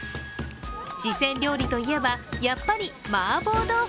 四川料理といえば、やっぱりマーボー豆腐。